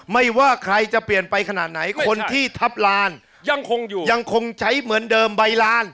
อ๋อไม่ว่าใครจะเปลี่ยนไปขนาดไหนคนที่ทัพลานยังคงใช้เหมือนเดิมใบลาน